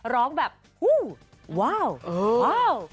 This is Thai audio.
ร้องแบบผู้ว้าวว้าว